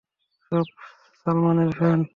সব সালমানের ফ্যান।